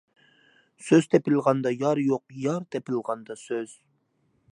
سۆز تېپىلغاندا يار يوق، يار تېپىلغاندا سۆز.